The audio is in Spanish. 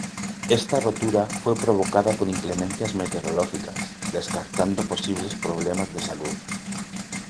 Esta rotura fue provocada por inclemencias meteorológicas, descartando posibles problemas de salud.